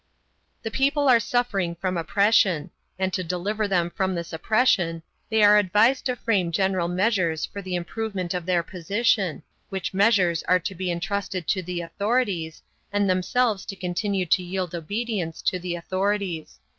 The people are suffering from oppression, and to deliver them from this oppression they are advised to frame general measures for the improvement of their position, which measures are to be intrusted to the authorities, and themselves to continue to yield obedience to the authorities.